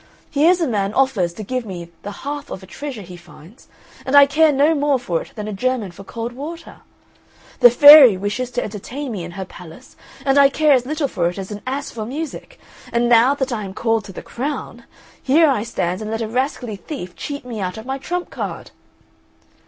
Here's a man offers to give me the half of a treasure he finds, and I care no more for it than a German for cold water; the fairy wishes to entertain me in her palace, and I care as little for it as an ass for music; and now that I am called to the crown, here I stand and let a rascally thief cheat me out of my trump card!"